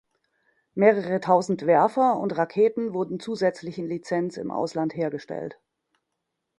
Mehrere tausend Werfer und Raketen wurden zusätzlich in Lizenz im Ausland hergestellt.